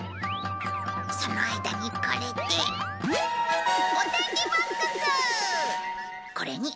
その間にこれで。